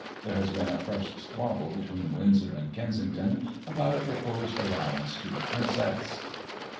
There has been a fresh squabble between Windsor and Kensington about a proposed allowance to the Princess."